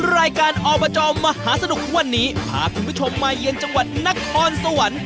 รายการอบจมหาสนุกวันนี้พาคุณผู้ชมมาเยือนจังหวัดนครสวรรค์